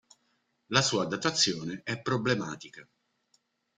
La sua datazione è problematica.